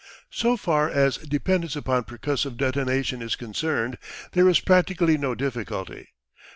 So far as dependence upon percussive detonation is concerned there is practically no difficulty.